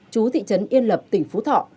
trú thị trấn yên lập tỉnh phú thọ